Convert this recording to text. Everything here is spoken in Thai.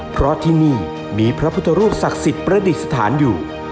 เพราะที่นี่มีพระพุทธรูปศักดิ์สิทธิ์ประดิษฐานอยู่